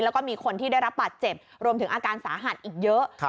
แล้วก็มีคนที่ได้รับบาดเจ็บรวมถึงอาการสาหัสอีกเยอะ